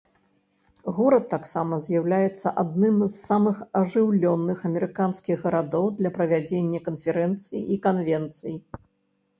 Горад таксама з'яўляецца адным з самых ажыўленых амерыканскіх гарадоў для правядзення канферэнцый і канвенцый.